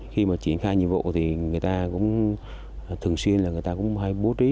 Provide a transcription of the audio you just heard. khi mà triển khai nhiệm vụ thì người ta cũng thường xuyên là người ta cũng hay bố trí